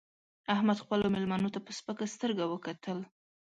احمد خپلو مېلمنو ته په سپکه سترګه وکتل